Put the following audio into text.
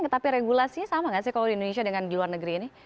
tetapi regulasinya sama nggak sih kalau di indonesia dengan di luar negeri ini